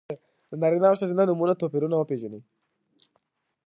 د نارینه او ښځینه نومونو توپیرونه وپېژنئ!